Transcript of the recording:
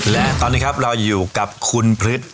และตอนนี้ครับเราอยู่กับคุณพฤษ